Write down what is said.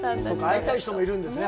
会いたい人もいるんですね？